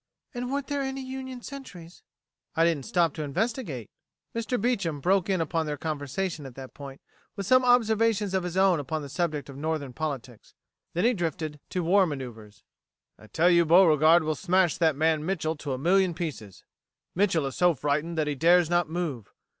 "And weren't there any Union sentries?" "I didn't stop to investigate." Mr. Beecham broke in upon their conversation at that point with some observations of his own upon the subject of Northern politics. Then he drifted to war manoeuvers: "I tell you, Beauregard will smash that man Mitchel to a million pieces. Mitchel is so frightened that he dares not move.